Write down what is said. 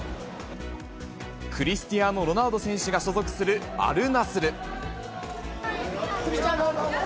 クリスティアーノ・ロナウド選手が所属するアルナスル。